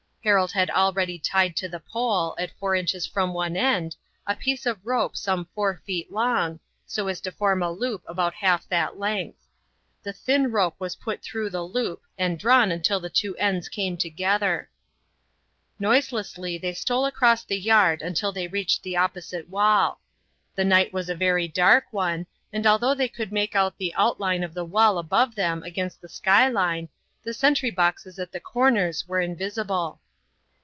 Harold had already tied to the pole, at four inches from one end, a piece of rope some four feet long, so as to form a loop about half that length. The thin rope was put through the loop and drawn until the two ends came together. Noiselessly they stole across the yard until they reached the opposite wall. The night was a very dark one, and although they could make out the outline of the wall above them against the skyline, the sentry boxes at the corners were invisible.